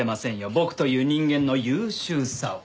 僕という人間の優秀さを。